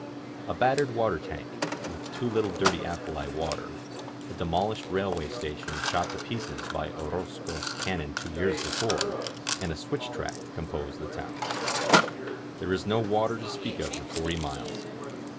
A battered water tank, with too little dirty alkali water, a demol ished railway station shot to pieces by Orozco's can non two years before, and a switch track compose the town. There is no water to speak of for forty miles.